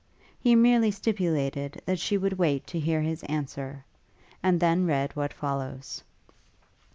He merely stipulated that she would wait to hear his answer; and then read what follows.